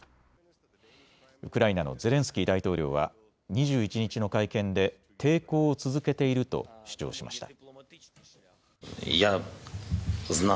ウクライナのゼレンスキー大統領は２１日の会見で抵抗を続けていると主張しました。